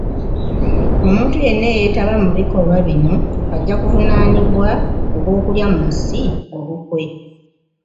Omuntu yenna eyeetaba mu bikolwa bino, ajja kuvunaanibwa ogw'okulya mu nsi olukwe.